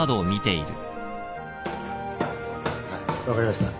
分かりました。